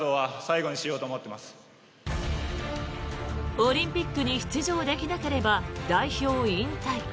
オリンピックに出場できなければ代表引退。